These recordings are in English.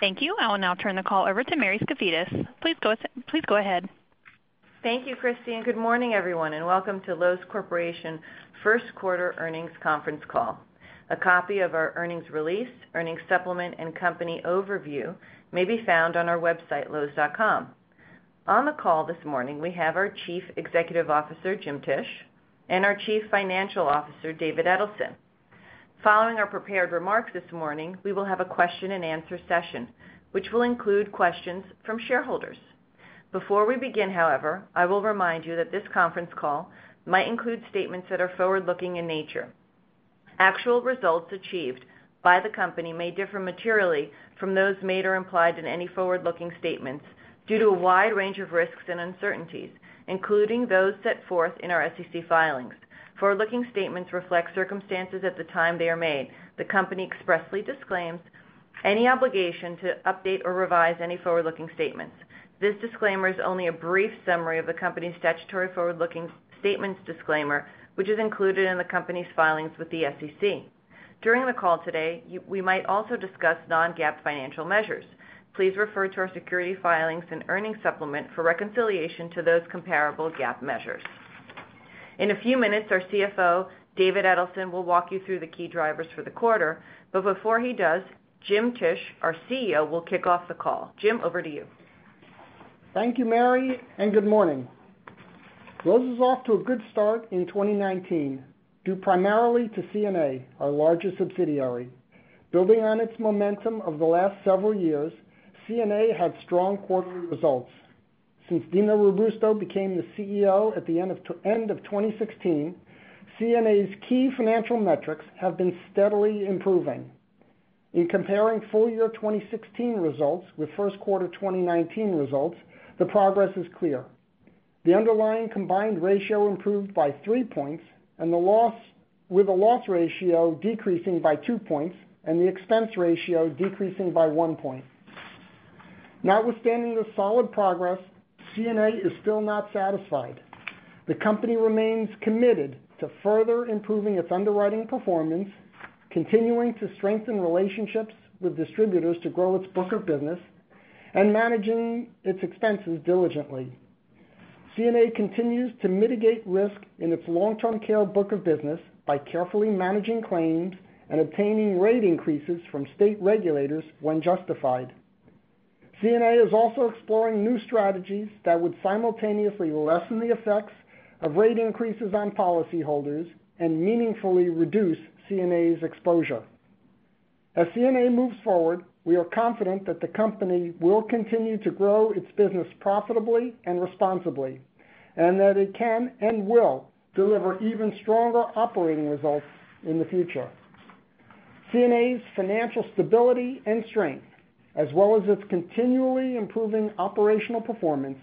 Thank you. I will now turn the call over to Mary Skafidas. Please go ahead. Thank you, Christine. Good morning, everyone. Welcome to Loews Corporation first quarter earnings conference call. A copy of our earnings release, earnings supplement, and company overview may be found on our website, loews.com. On the call this morning, we have our Chief Executive Officer, James Tisch, and our Chief Financial Officer, David Edelson. Following our prepared remarks this morning, we will have a question and answer session, which will include questions from shareholders. Before we begin, however, I will remind you that this conference call might include statements that are forward-looking in nature. Actual results achieved by the company may differ materially from those made or implied in any forward-looking statements due to a wide range of risks and uncertainties, including those set forth in our SEC filings. Forward-looking statements reflect circumstances at the time they are made. The company expressly disclaims any obligation to update or revise any forward-looking statements. This disclaimer is only a brief summary of the company's statutory forward-looking statements disclaimer, which is included in the company's filings with the SEC. During the call today, we might also discuss non-GAAP financial measures. Please refer to our security filings and earnings supplement for reconciliation to those comparable GAAP measures. In a few minutes, our CFO, David Edelson, will walk you through the key drivers for the quarter. Before he does, James Tisch, our CEO, will kick off the call. Jim, over to you. Thank you, Mary. Good morning. Loews is off to a good start in 2019, due primarily to CNA, our largest subsidiary. Building on its momentum of the last several years, CNA had strong quarter results. Since Dino Robusto became the CEO at the end of 2016, CNA's key financial metrics have been steadily improving. In comparing full year 2016 results with first quarter 2019 results, the progress is clear. The underlying combined ratio improved by three points, with the loss ratio decreasing by two points, and the expense ratio decreasing by one point. Notwithstanding the solid progress, CNA is still not satisfied. The company remains committed to further improving its underwriting performance, continuing to strengthen relationships with distributors to grow its book of business, managing its expenses diligently. CNA continues to mitigate risk in its long-term care book of business by carefully managing claims and obtaining rate increases from state regulators when justified. CNA is also exploring new strategies that would simultaneously lessen the effects of rate increases on policyholders and meaningfully reduce CNA's exposure. As CNA moves forward, we are confident that the company will continue to grow its business profitably and responsibly, and that it can and will deliver even stronger operating results in the future. CNA's financial stability and strength, as well as its continually improving operational performance,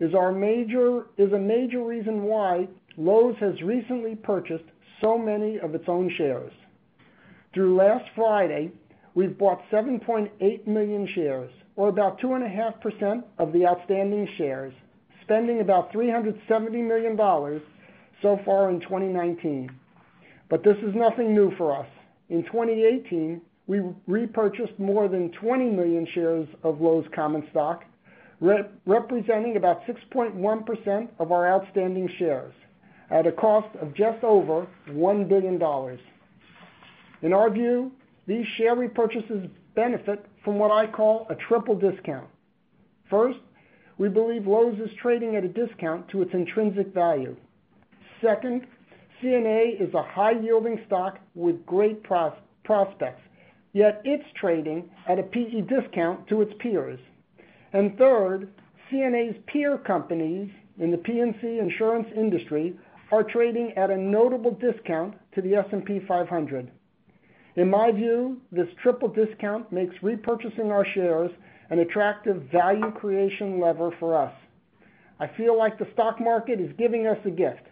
is a major reason why Loews has recently purchased so many of its own shares. Through last Friday, we've bought 7.8 million shares, or about 2.5% of the outstanding shares, spending about $370 million so far in 2019. This is nothing new for us. In 2018, we repurchased more than 20 million shares of Loews common stock, representing about 6.1% of our outstanding shares at a cost of just over $1 billion. In our view, these share repurchases benefit from what I call a triple discount. First, we believe Loews is trading at a discount to its intrinsic value. Second, CNA is a high-yielding stock with great prospects, yet it's trading at a P/E discount to its peers. Third, CNA's peer companies in the P&C insurance industry are trading at a notable discount to the S&P 500. In my view, this triple discount makes repurchasing our shares an attractive value creation lever for us. I feel like the stock market is giving us a gift,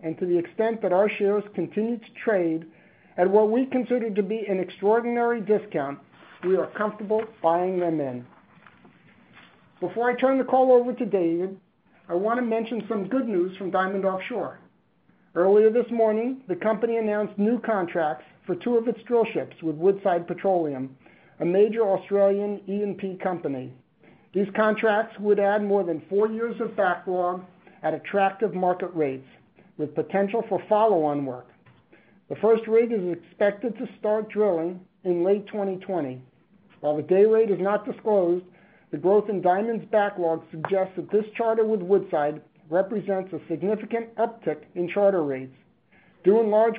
and to the extent that our shares continue to trade at what we consider to be an extraordinary discount, we are comfortable buying them in. Before I turn the call over to David, I want to mention some good news from Diamond Offshore. Earlier this morning, the company announced new contracts for two of its drill ships with Woodside Energy Group Ltd, a major Australian E&P company. These contracts would add more than four years of backlog at attractive market rates, with potential for follow-on work. The first rig is expected to start drilling in late 2020. While the day rate is not disclosed, the growth in Diamond's backlog suggests that this charter with Woodside represents a significant uptick in charter rates due in large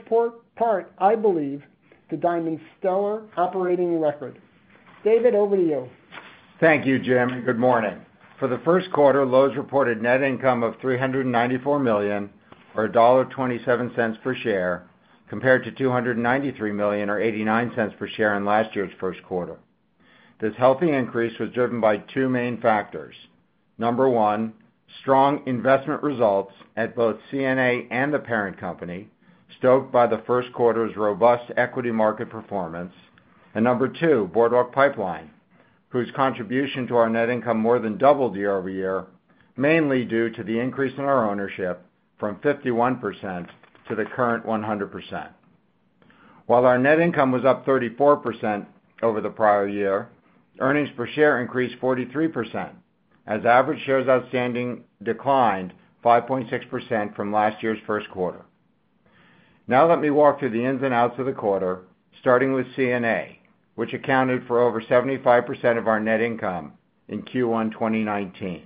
part, I believe, to Diamond's stellar operating record. David, over to you. Thank you, Jim, and good morning. For the first quarter, Loews reported net income of $394 million, or $1.27 per share, compared to $293 million, or $0.89 per share in last year's first quarter. This healthy increase was driven by two main factors. Number one, strong investment results at both CNA and the parent company, stoked by the first quarter's robust equity market performance. Number two, Boardwalk Pipeline, whose contribution to our net income more than doubled year-over-year mainly due to the increase in our ownership from 51% to the current 100%. Our net income was up 34% over the prior year, earnings per share increased 43%, as average shares outstanding declined 5.6% from last year's first quarter. Now let me walk through the ins and outs of the quarter, starting with CNA, which accounted for over 75% of our net income in Q1 2019.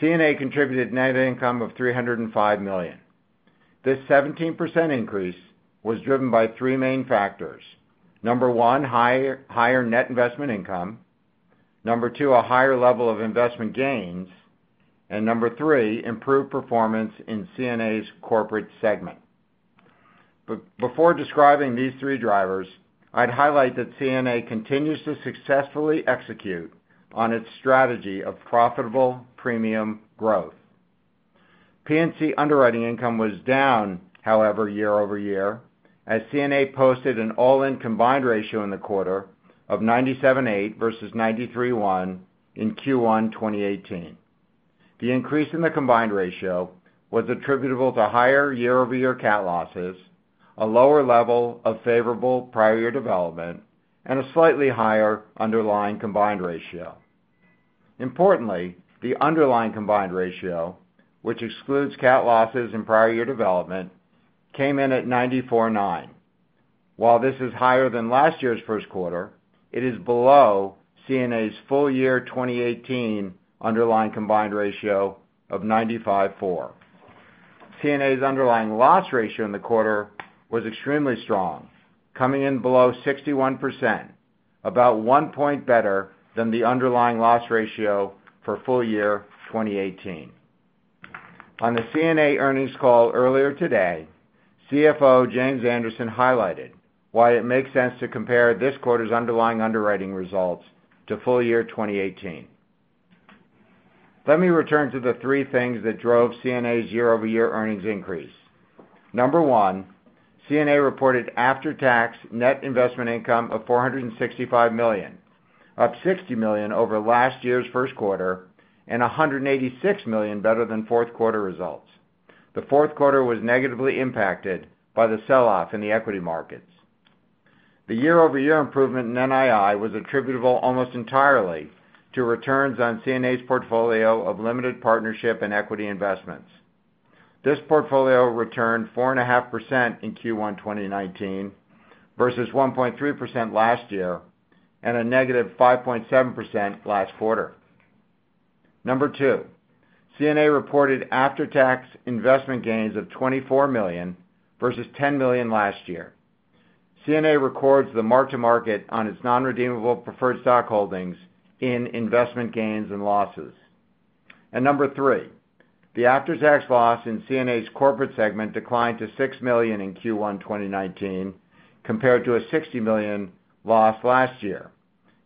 CNA contributed net income of $305 million. This 17% increase was driven by three main factors. Number one, higher net investment income. Number two, a higher level of investment gains. Number three, improved performance in CNA's corporate segment. Before describing these three drivers, I'd highlight that CNA continues to successfully execute on its strategy of profitable premium growth. P&C underwriting income was down, however, year-over-year, as CNA posted an all-in combined ratio in the quarter of 97.8% versus 93.1% in Q1 2018. The increase in the combined ratio was attributable to higher year-over-year cat losses, a lower level of favorable prior year development, and a slightly higher underlying combined ratio. Importantly, the underlying combined ratio, which excludes cat losses and prior year development, came in at 94.9%. While this is higher than last year's first quarter, it is below CNA's full year 2018 underlying combined ratio of 95.4%. CNA's underlying loss ratio in the quarter was extremely strong, coming in below 61%, about one point better than the underlying loss ratio for full year 2018. On the CNA earnings call earlier today, CFO James Anderson highlighted why it makes sense to compare this quarter's underlying underwriting results to full year 2018. Let me return to the three things that drove CNA's year-over-year earnings increase. Number one, CNA reported after-tax net investment income of $465 million, up $60 million over last year's first quarter and $186 million better than fourth quarter results. The fourth quarter was negatively impacted by the sell-off in the equity markets. The year-over-year improvement in NII was attributable almost entirely to returns on CNA's portfolio of limited partnership and equity investments. This portfolio returned 4.5% in Q1 2019 versus 1.3% last year, and a negative 5.7% last quarter. Number two, CNA reported after-tax investment gains of $24 million versus $10 million last year. CNA records the mark-to-market on its non-redeemable preferred stock holdings in investment gains and losses. Number three, the after-tax loss in CNA's corporate segment declined to $6 million in Q1 2019 compared to a $60 million loss last year,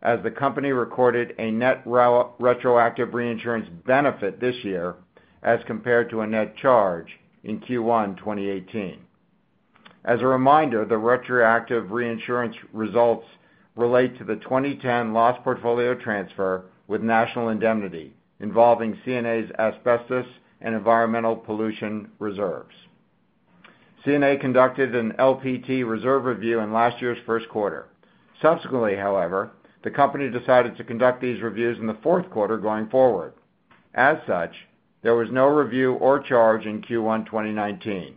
as the company recorded a net retroactive reinsurance benefit this year as compared to a net charge in Q1 2018. As a reminder, the retroactive reinsurance results relate to the 2010 loss portfolio transfer with National Indemnity, involving CNA's asbestos and environmental pollution reserves. CNA conducted an LPT reserve review in last year's first quarter. Subsequently, however, the company decided to conduct these reviews in the fourth quarter going forward. As such, there was no review or charge in Q1 2019.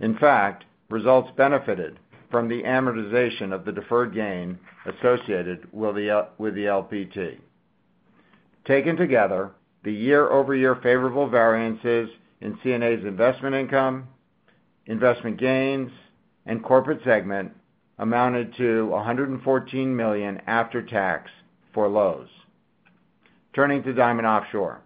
In fact, results benefited from the amortization of the deferred gain associated with the LPT. Taken together, the year-over-year favorable variances in CNA's investment income, investment gains, and corporate segment amounted to $114 million after tax for Loews. Turning to Diamond Offshore.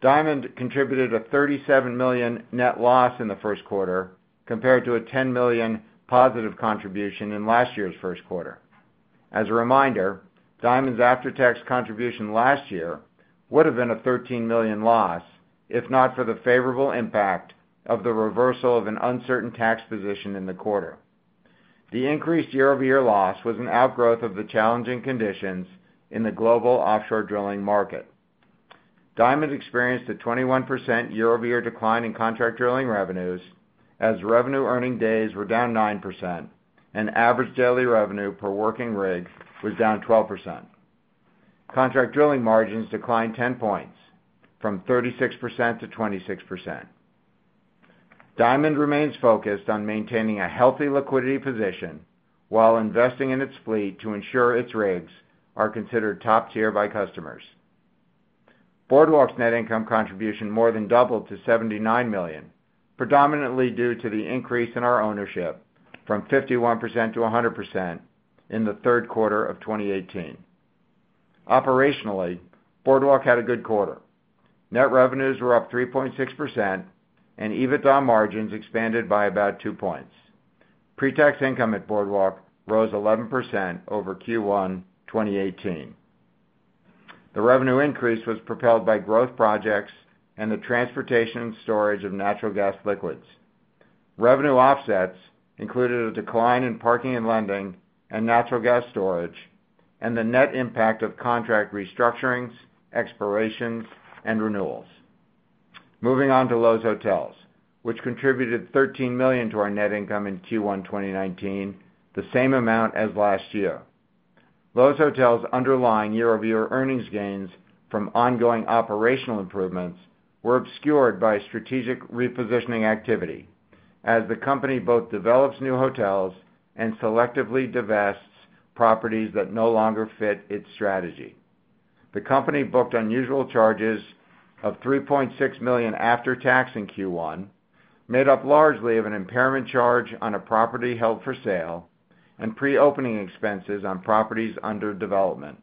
Diamond contributed a $37 million net loss in the first quarter compared to a $10 million positive contribution in last year's first quarter. As a reminder, Diamond's after-tax contribution last year would have been a $13 million loss if not for the favorable impact of the reversal of an uncertain tax position in the quarter. The increased year-over-year loss was an outgrowth of the challenging conditions in the global offshore drilling market. Diamond experienced a 21% year-over-year decline in contract drilling revenues as revenue earning days were down 9% and average daily revenue per working rig was down 12%. Contract drilling margins declined 10 points from 36% to 26%. Diamond remains focused on maintaining a healthy liquidity position while investing in its fleet to ensure its rigs are considered top-tier by customers. Boardwalk's net income contribution more than doubled to $79 million, predominantly due to the increase in our ownership from 51% to 100% in the third quarter of 2018. Operationally, Boardwalk had a good quarter. Net revenues were up 3.6%, and EBITDA margins expanded by about two points. Pre-tax income at Boardwalk rose 11% over Q1 2018. The revenue increase was propelled by growth projects and the transportation storage of natural gas liquids. Revenue offsets included a decline in parking and lending and natural gas storage, and the net impact of contract restructurings, expirations, and renewals. Moving on to Loews Hotels, which contributed $13 million to our net income in Q1 2019, the same amount as last year. Loews Hotels' underlying year-over-year earnings gains from ongoing operational improvements were obscured by strategic repositioning activity as the company both develops new hotels and selectively divests properties that no longer fit its strategy. The company booked unusual charges of $3.6 million after tax in Q1, made up largely of an impairment charge on a property held for sale and pre-opening expenses on properties under development.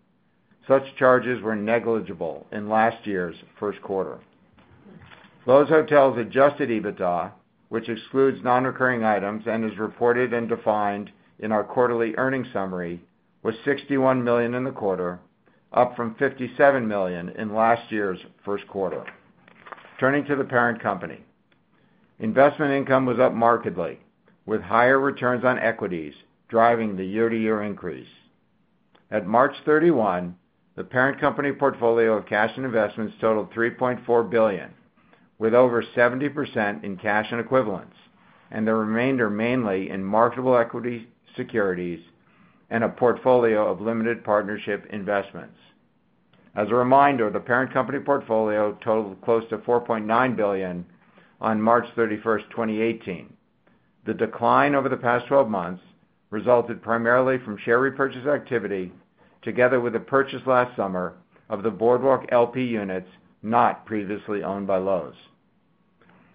Such charges were negligible in last year's first quarter. Loews Hotels' adjusted EBITDA, which excludes non-recurring items and is reported and defined in our quarterly earnings summary, was $61 million in the quarter, up from $57 million in last year's first quarter. Turning to the parent company. Investment income was up markedly with higher returns on equities driving the year-to-year increase. At March 31, the parent company portfolio of cash and investments totaled $3.4 billion, with over 70% in cash and equivalents, and the remainder mainly in marketable equity securities and a portfolio of limited partnership investments. As a reminder, the parent company portfolio totaled close to $4.9 billion on March 31, 2018. The decline over the past 12 months resulted primarily from share repurchase activity, together with the purchase last summer of the Boardwalk LP units not previously owned by Loews.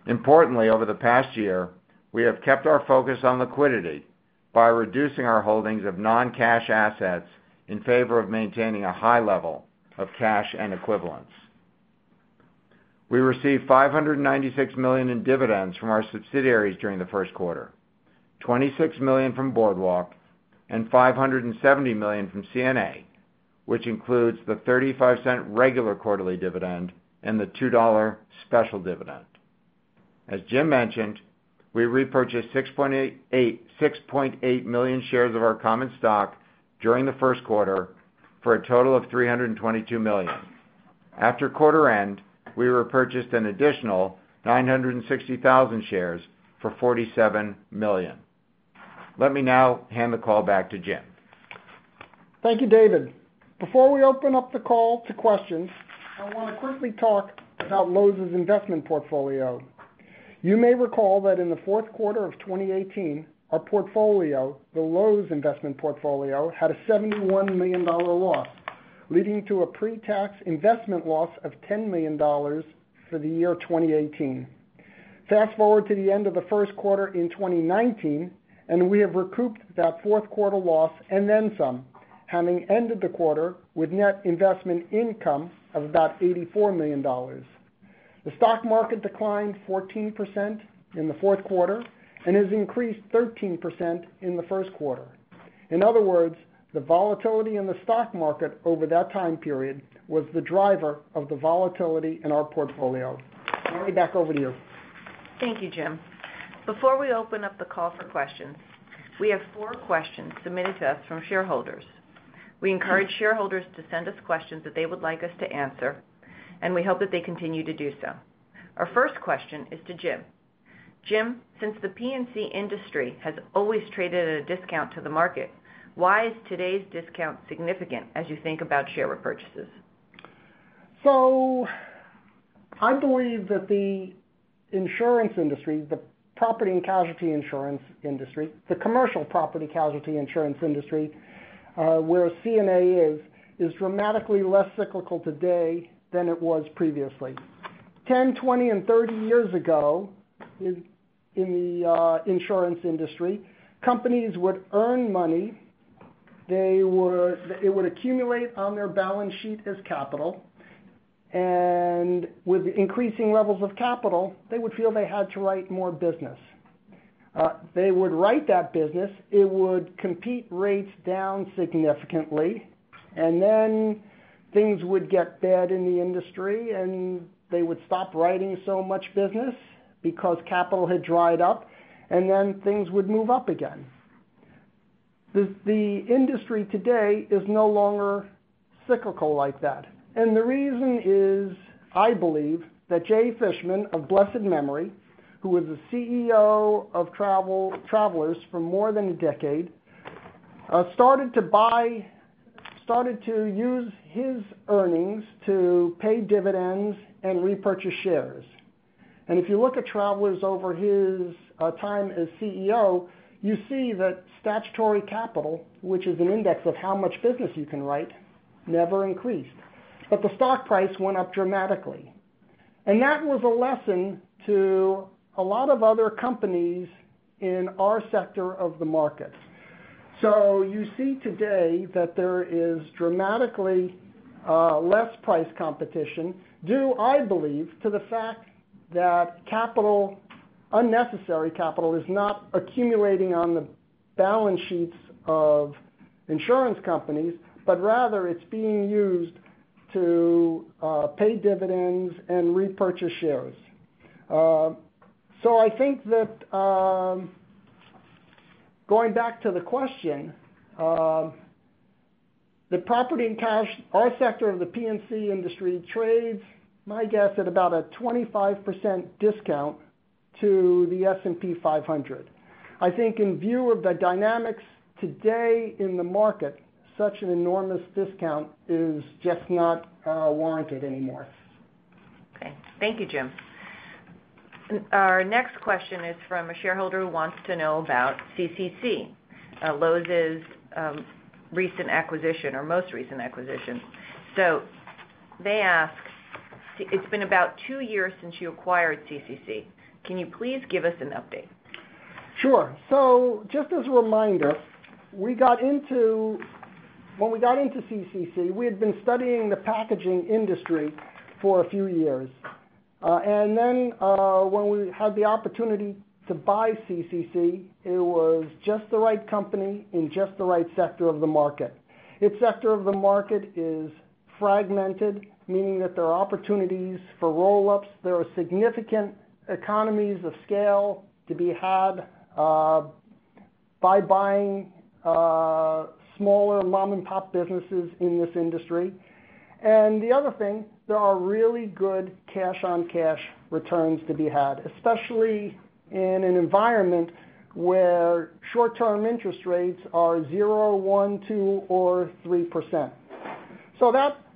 Importantly, over the past year, we have kept our focus on liquidity by reducing our holdings of non-cash assets in favor of maintaining a high level of cash and equivalents. We received $596 million in dividends from our subsidiaries during the first quarter, $26 million from Boardwalk and $570 million from CNA, which includes the $0.35 regular quarterly dividend and the $2 special dividend. As Jim mentioned, we repurchased 6.8 million shares of our common stock during the first quarter for a total of $322 million. After quarter end, we repurchased an additional 960,000 shares for $47 million. Let me now hand the call back to Jim. Thank you, David. Before we open up the call to questions, I want to quickly talk about Loews' investment portfolio. You may recall that in the fourth quarter of 2018, our portfolio, the Loews investment portfolio, had a $71 million loss, leading to a pre-tax investment loss of $10 million for the year 2018. Fast-forward to the end of the first quarter in 2019, and we have recouped that fourth quarter loss and then some, having ended the quarter with net investment income of about $84 million. The stock market declined 14% in the fourth quarter and has increased 13% in the first quarter. In other words, the volatility in the stock market over that time period was the driver of the volatility in our portfolio. Mary, back over to you. Thank you, Jim. Before we open up the call for questions, we have four questions submitted to us from shareholders. We encourage shareholders to send us questions that they would like us to answer, and we hope that they continue to do so. Our first question is to Jim. Jim, since the P&C industry has always traded at a discount to the market, why is today's discount significant as you think about share repurchases? I believe that the insurance industry, the property and casualty insurance industry, the commercial property casualty insurance industry, where CNA is dramatically less cyclical today than it was previously. 10, 20, and 30 years ago in the insurance industry, companies would earn money. It would accumulate on their balance sheet as capital, with increasing levels of capital, they would feel they had to write more business. They would write that business, it would compete rates down significantly, things would get bad in the industry and they would stop writing so much business because capital had dried up, things would move up again. The industry today is no longer cyclical like that. The reason is, I believe, that Jay Fishman of Blessed Memory, who was the CEO of Travelers for more than a decade, started to use his earnings to pay dividends and repurchase shares. If you look at Travelers over his time as CEO, you see that statutory capital, which is an index of how much business you can write, never increased. The stock price went up dramatically. That was a lesson to a lot of other companies in our sector of the market. You see today that there is dramatically less price competition due, I believe, to the fact that unnecessary capital is not accumulating on the balance sheets of insurance companies, but rather it's being used to pay dividends and repurchase shares. I think that, going back to the question, the property and casualty, our sector of the P&C industry trades, my guess, at about a 25% discount to the S&P 500. I think in view of the dynamics today in the market, such an enormous discount is just not warranted anymore. Okay. Thank you, Jim. Our next question is from a shareholder who wants to know about CCC, Loews' recent acquisition or most recent acquisition. They ask, "It's been about two years since you acquired CCC. Can you please give us an update? Just as a reminder, when we got into CCC, we had been studying the packaging industry for a few years. When we had the opportunity to buy CCC, it was just the right company in just the right sector of the market. Its sector of the market is fragmented, meaning that there are opportunities for roll-ups. There are significant economies of scale to be had by buying smaller mom-and-pop businesses in this industry. The other thing, there are really good cash-on-cash returns to be had, especially in an environment where short-term interest rates are zero, one, two or three %.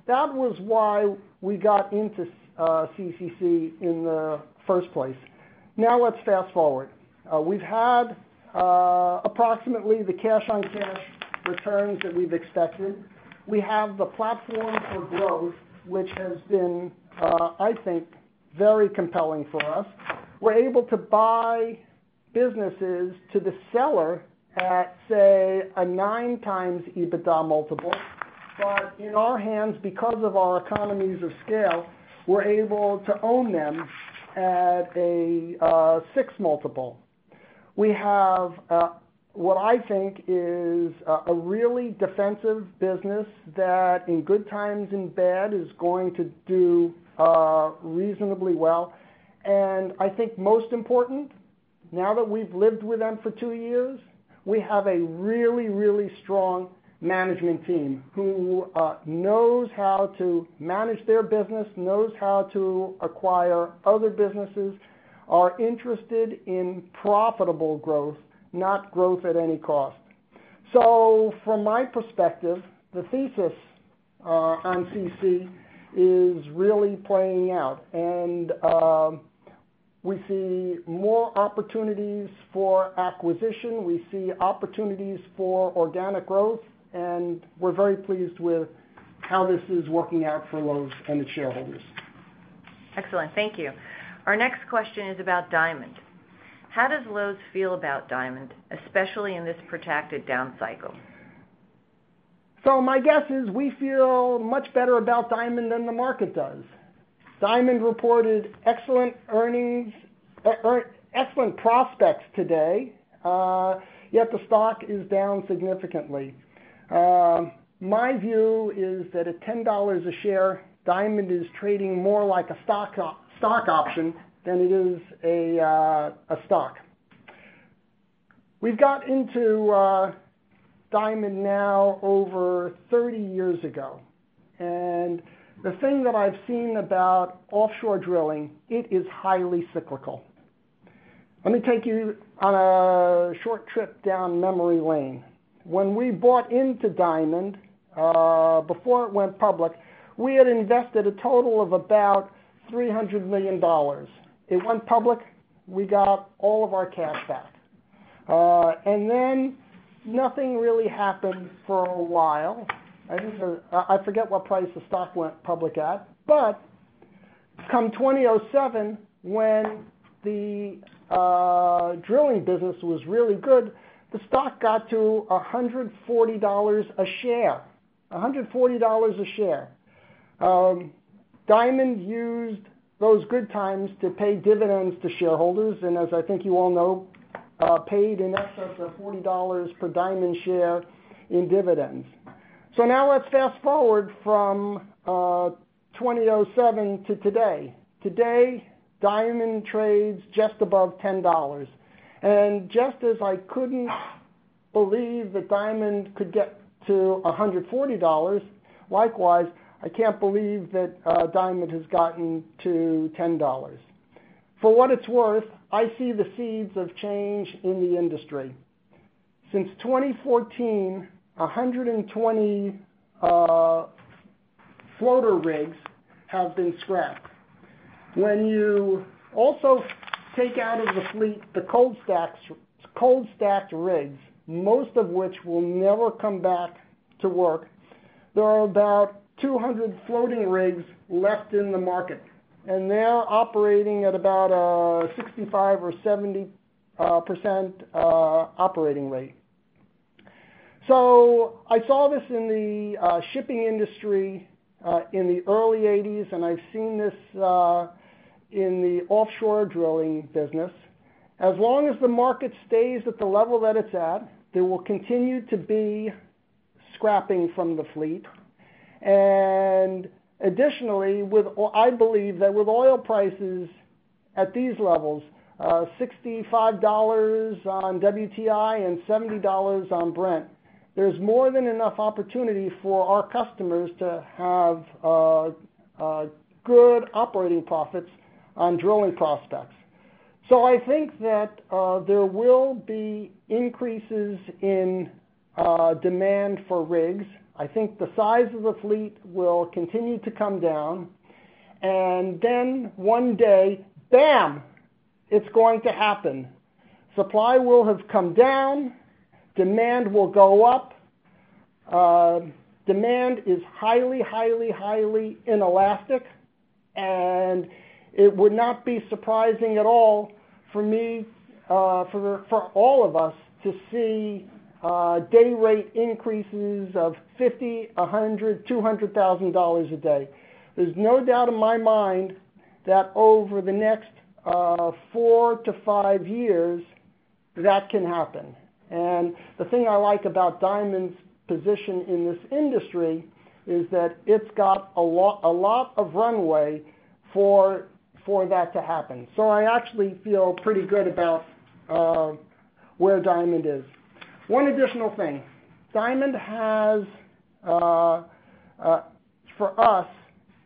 That was why we got into CCC in the first place. Now let's fast-forward. We've had approximately the cash-on-cash returns that we've expected. We have the platform for growth, which has been, I think, very compelling for us. We're able to buy businesses to the seller at, say, a 9x EBITDA multiple. In our hands, because of our economies of scale, we're able to own them at a 6 multiple. We have what I think is a really defensive business that in good times and bad is going to do reasonably well. I think most important, now that we've lived with them for two years, we have a really strong management team who knows how to manage their business, knows how to acquire other businesses, are interested in profitable growth, not growth at any cost. From my perspective, the thesis on CCC is really playing out. We see more opportunities for acquisition, we see opportunities for organic growth, and we're very pleased with how this is working out for Loews and its shareholders. Excellent. Thank you. Our next question is about Diamond. How does Loews feel about Diamond, especially in this protracted down cycle? My guess is we feel much better about Diamond than the market does. Diamond reported excellent prospects today, yet the stock is down significantly. My view is that at $10 a share, Diamond is trading more like a stock option than it is a stock. We've got into Diamond now over 30 years ago. The thing that I've seen about offshore drilling, it is highly cyclical. Let me take you on a short trip down memory lane. When we bought into Diamond, before it went public, we had invested a total of about $300 million. It went public, we got all of our cash back. Then nothing really happened for a while. I forget what price the stock went public at. Come 2007, when the drilling business was really good, the stock got to $140 a share. Diamond used those good times to pay dividends to shareholders, as I think you all know, paid in excess of $40 per Diamond share in dividends. Now let's fast-forward from 2007 to today. Today, Diamond trades just above $10. Just as I couldn't believe that Diamond could get to $140, likewise, I can't believe that Diamond has gotten to $10. For what it's worth, I see the seeds of change in the industry. Since 2014, 120 floater rigs have been scrapped. When you also take out of the fleet the cold stacked rigs, most of which will never come back to work, there are about 200 floating rigs left in the market, and they're operating at about a 65% or 70% operating rate. I saw this in the shipping industry in the early '80s and I've seen this in the offshore drilling business. As long as the market stays at the level that it's at, there will continue to be scrapping from the fleet. Additionally, I believe that with oil prices at these levels, $65 on WTI and $70 on Brent, there's more than enough opportunity for our customers to have good operating profits on drilling prospects. I think that there will be increases in demand for rigs. I think the size of the fleet will continue to come down, then one day, bam, it's going to happen. Supply will have come down, demand will go up. Demand is highly, highly inelastic, and it would not be surprising at all for me, for all of us, to see day rate increases of 50, 100, $200,000 a day. There's no doubt in my mind that over the next four to five years, that can happen. The thing I like about Diamond's position in this industry is that it's got a lot of runway for that to happen. I actually feel pretty good about where Diamond is. One additional thing, Diamond has, for us,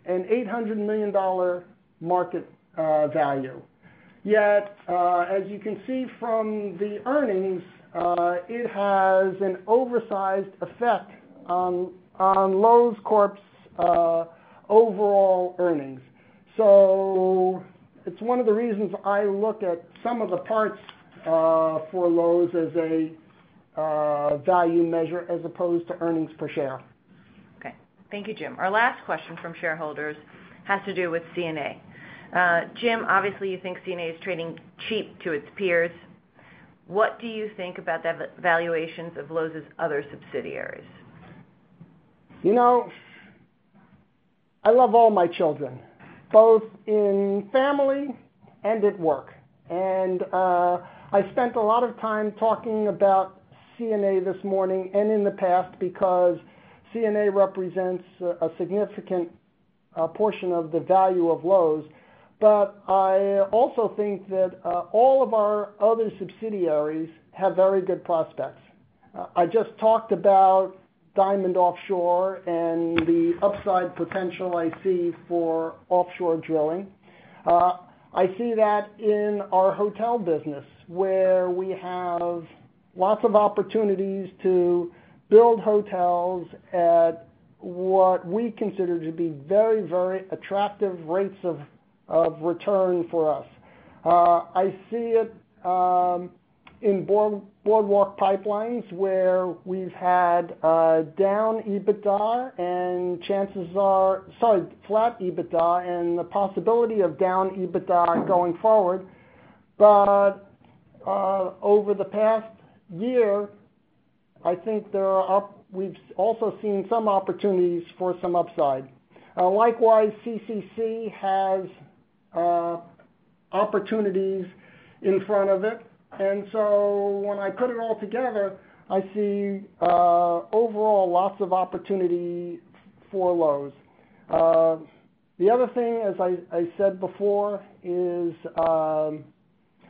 an $800 million market value. Yet, as you can see from the earnings, it has an oversized effect on Loews Corporation's overall earnings. It's one of the reasons I look at some of the parts for Loews as a value measure as opposed to earnings per share. Okay. Thank you, Jim. Our last question from shareholders has to do with CNA. Jim, obviously you think CNA is trading cheap to its peers. What do you think about the valuations of Loews' other subsidiaries? I love all my children, both in family and at work. I spent a lot of time talking about CNA this morning and in the past because CNA represents a significant portion of the value of Loews. I also think that all of our other subsidiaries have very good prospects. I just talked about Diamond Offshore and the upside potential I see for offshore drilling. I see that in our hotel business, where we have lots of opportunities to build hotels at what we consider to be very, very attractive rates of return for us. I see it in Boardwalk Pipelines, where we've had a down EBITDA, and chances are, sorry, flat EBITDA, and the possibility of down EBITDA going forward. Over the past year, I think we've also seen some opportunities for some upside. Likewise, CCC has opportunities in front of it. When I put it all together, I see overall lots of opportunity for Loews. The other thing, as I said before, is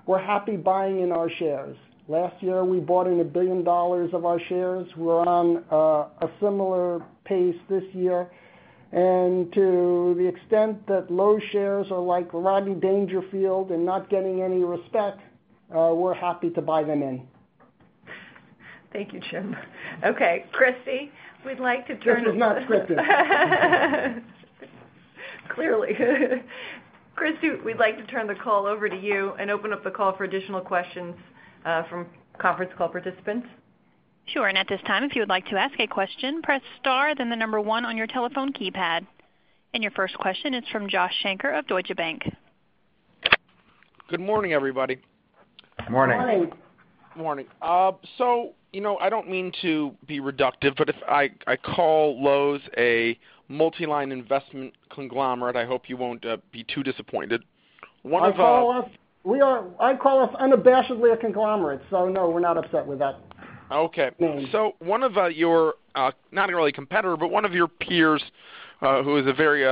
we're happy buying in our shares. Last year, we bought in $1 billion of our shares. We're on a similar pace this year. To the extent that Loews shares are like Rodney Dangerfield and not getting any respect, we're happy to buy them in. Thank you, Jim. Okay, Christie, we'd like to turn- This was not scripted. Clearly. Christie, we'd like to turn the call over to you and open up the call for additional questions from conference call participants. Sure. At this time, if you would like to ask a question, press star, then the number one on your telephone keypad. Your first question is from Josh Shanker of Deutsche Bank. Good morning, everybody. Morning. Morning. Morning. I don't mean to be reductive, but if I call Loews a multiline investment conglomerate, I hope you won't be too disappointed. One of- I call us unabashedly a conglomerate, so no, we're not upset with that. Okay. No. One of your, not really competitor, but one of your peers, who runs a very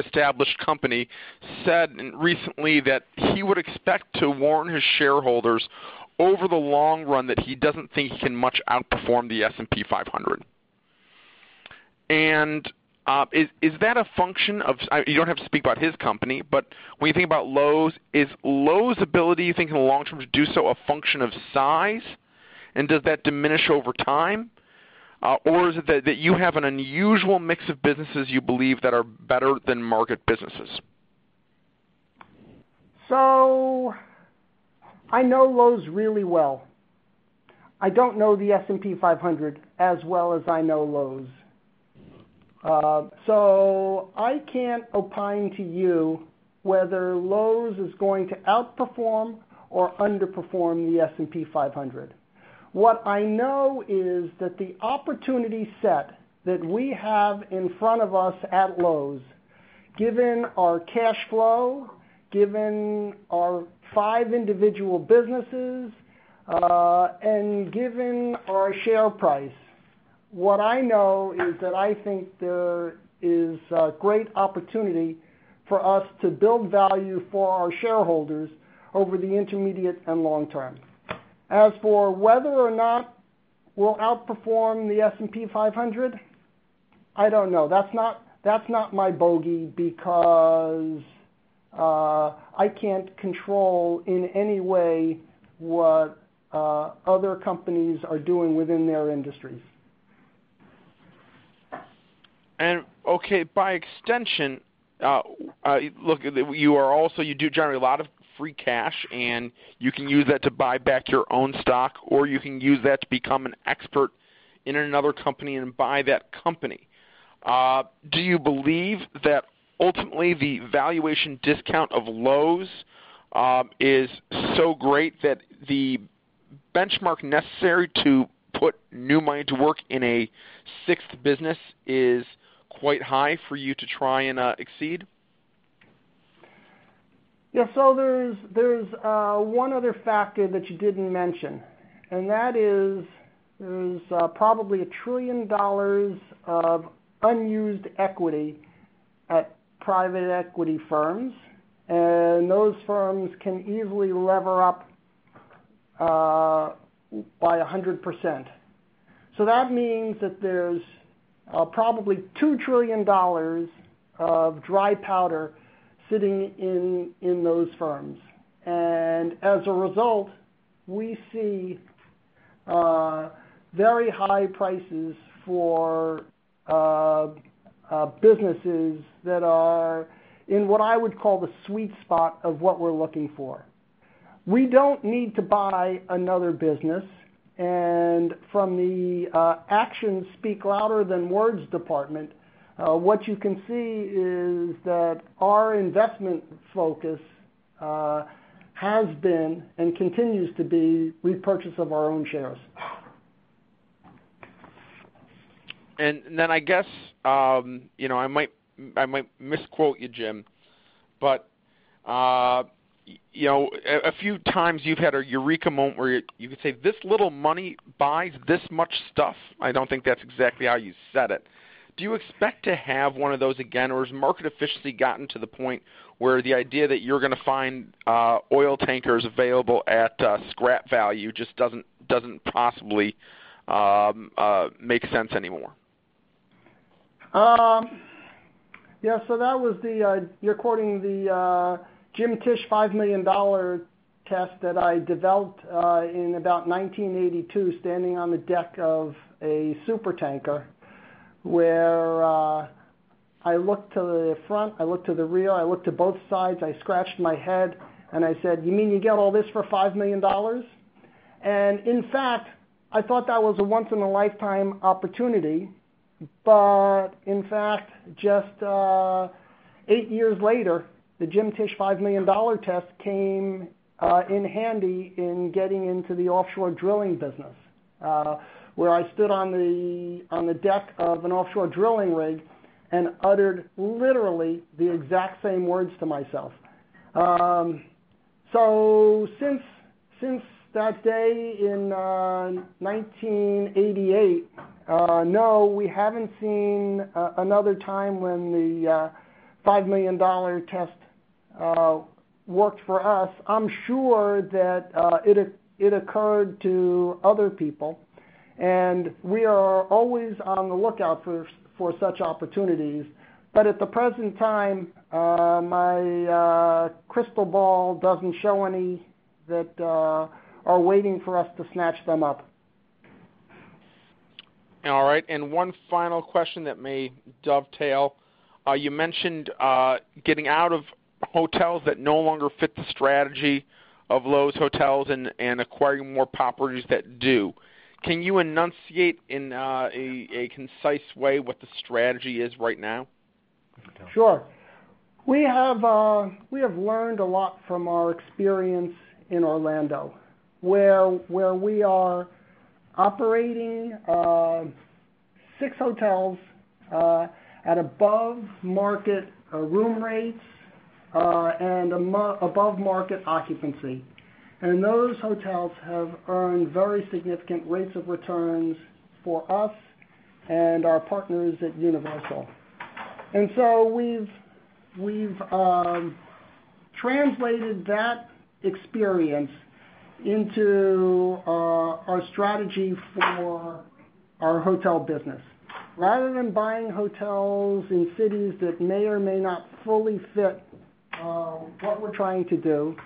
established company, said recently that he would expect to warn his shareholders over the long run that he doesn't think he can much outperform the S&P 500. Is that a function of You don't have to speak about his company, but when you think about Loews, is Loews' ability, you think in the long term, to do so a function of size? Does that diminish over time? Is it that you have an unusual mix of businesses you believe that are better than market businesses? I know Loews really well. I don't know the S&P 500 as well as I know Loews. I can't opine to you whether Loews is going to outperform or underperform the S&P 500. What I know is that the opportunity set that we have in front of us at Loews. Given our cash flow, given our five individual businesses, and given our share price, what I know is that I think there is a great opportunity for us to build value for our shareholders over the intermediate and long term. As for whether or not we'll outperform the S&P 500, I don't know. That's not my bogey because I can't control in any way what other companies are doing within their industries. Okay, by extension, look, you do generate a lot of free cash, and you can use that to buy back your own stock, or you can use that to become an expert in another company and buy that company. Do you believe that ultimately the valuation discount of Loews is so great that the benchmark necessary to put new money to work in a sixth business is quite high for you to try and exceed? There's one other factor that you didn't mention, and that is there's probably $1 trillion of unused equity at private equity firms, and those firms can easily lever up by 100%. That means that there's probably $2 trillion of dry powder sitting in those firms. As a result, we see very high prices for businesses that are in what I would call the sweet spot of what we're looking for. We don't need to buy another business, and from the actions speak louder than words department, what you can see is that our investment focus has been, and continues to be, repurchase of our own shares. I guess, I might misquote you, Jim, but a few times you've had a eureka moment where you could say, "This little money buys this much stuff." I don't think that's exactly how you said it. Do you expect to have one of those again, or has market efficiency gotten to the point where the idea that you're going to find oil tankers available at scrap value just doesn't possibly make sense anymore? You're quoting the James Tisch $5 million test that I developed in about 1982, standing on the deck of a supertanker where I looked to the front, I looked to the rear, I looked to both sides, I scratched my head, and I said, "You mean you get all this for $5 million?" In fact, I thought that was a once in a lifetime opportunity. In fact, just 8 years later, the James Tisch $5 million test came in handy in getting into the offshore drilling business where I stood on the deck of an offshore drilling rig and uttered literally the exact same words to myself. Since that day in 1988, no, we haven't seen another time when the $5 million test worked for us. I'm sure that it occurred to other people, and we are always on the lookout for such opportunities. At the present time, my crystal ball doesn't show any that are waiting for us to snatch them up. All right. One final question that may dovetail. You mentioned getting out of hotels that no longer fit the strategy of Loews Hotels and acquiring more properties that do. Can you enunciate in a concise way what the strategy is right now? Sure. We have learned a lot from our experience in Orlando, where we are operating six hotels at above market room rates, and above market occupancy. Those hotels have earned very significant rates of returns for us and our partners at Universal. We've translated that experience into our strategy for our hotel business. Rather than buying hotels in cities that may or may not fully fit what we're trying to do,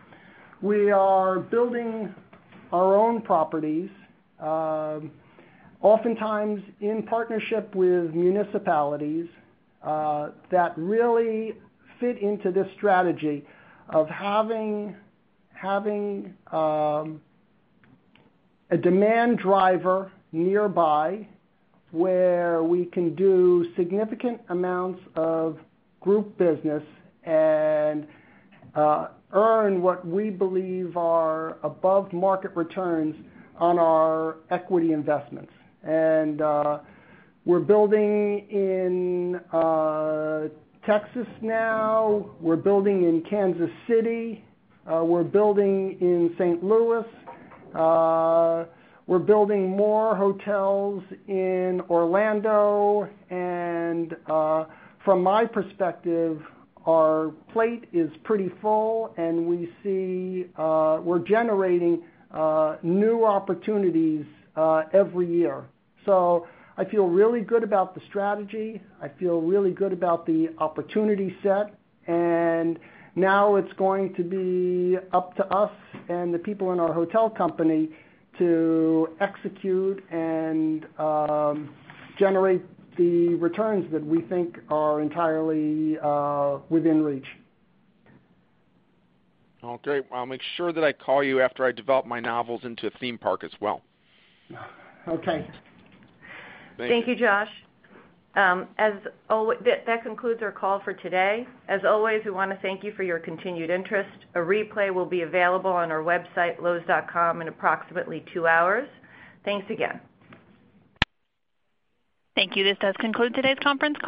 we are building our own properties, oftentimes in partnership with municipalities, that really fit into this strategy of having a demand driver nearby where we can do significant amounts of group business and earn what we believe are above market returns on our equity investments. We're building in Texas now, we're building in Kansas City, we're building in St. Louis, we're building more hotels in Orlando. From my perspective, our plate is pretty full and we're generating new opportunities every year. I feel really good about the strategy. I feel really good about the opportunity set, and now it's going to be up to us and the people in our hotel company to execute and generate the returns that we think are entirely within reach. Okay. Well, I'll make sure that I call you after I develop my novels into a theme park as well. Okay. Thank you. Thank you, Josh. That concludes our call for today. As always, we want to thank you for your continued interest. A replay will be available on our website, loews.com, in approximately two hours. Thanks again. Thank you. This does conclude today's conference call.